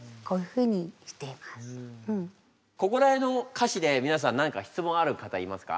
ここら辺の歌詞で皆さん何か質問ある方いますか？